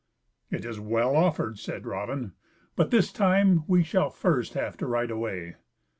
"It is well offered," said Raven, "but this time we shall first have to ride away."